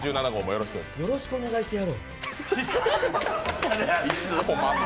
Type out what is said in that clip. よろしくお願いしてやろう。